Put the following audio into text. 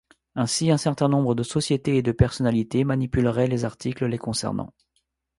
Ainsi un certain nombre de sociétés et de personnalités manipuleraient les articles les concernant.